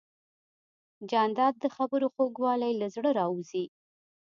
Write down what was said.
جانداد د خبرو خوږوالی له زړه راوزي.